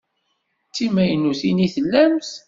D timaynutin i tellamt?